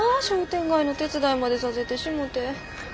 商店街の手伝いまでさせてしもて。